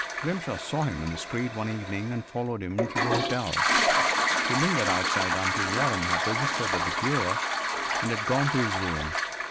Grimshaw saw him in the street one evening and followed him to the hotel. He lingered outside until Waram had registered at the bureau and had gone to his room.